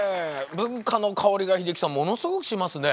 文化の香りが英樹さんものすごくしますね。